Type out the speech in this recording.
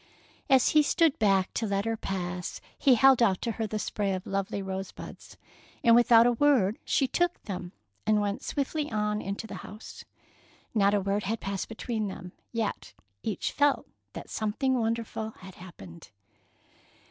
As he stood back to let her pass, he held out to her the spray of lovely rosebuds, and without a word she took them and went swiftly on into the house. Not a word had passed between them, yet each felt that something wonderful had happened.